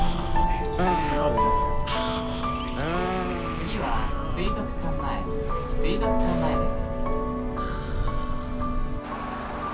「次は水族館前水族館前です」。